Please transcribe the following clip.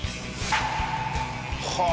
はあ！